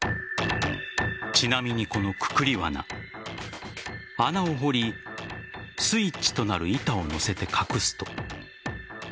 ちなみに、このくくり罠穴を掘りスイッチとなる板を乗せて隠すと。